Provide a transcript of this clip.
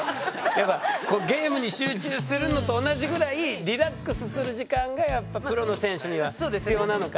やっぱゲームに集中するのと同じぐらいリラックスする時間がやっぱプロの選手には必要なのかな。